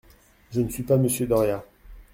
Je ne suis pas Monsieur Doria.